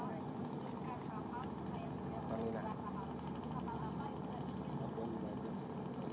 milik kapal pertamina